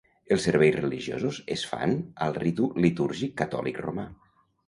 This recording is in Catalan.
Els serveis religiosos es fan al ritu litúrgic catòlic romà.